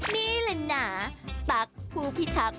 นี่ละน่ะ